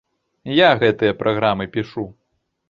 Я гэтыя праграмы пішу.